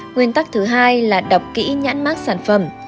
nguyên tắc thứ hai là đọc kỹ nhãn mát sản phẩm